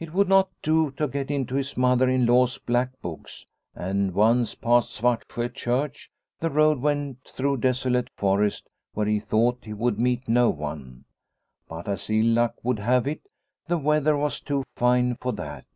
It would not do to get into his mother in law's black books, and once past Svartsjo Church the road went through desolate forest where he thought he would meet no one. But as ill luck would have it, the weather was too fine for that.